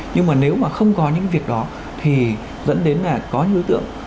nhưng mà nếu mà không có những việc đó thì dẫn đến là có những đối tượng